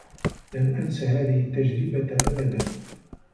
لن أنس هذه التّجربة أبدا.